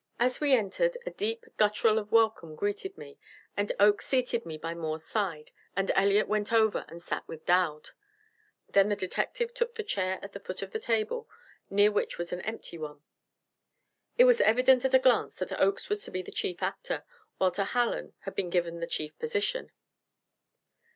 As we entered, a deep guttural of welcome greeted me; and Oakes seated me by Moore's side, and Elliott went over and sat with Dowd. Then the detective took the chair at the foot of the table, near which was an empty one. It was evident at a glance that Oakes was to be the chief actor, while to Hallen had been given the chief position.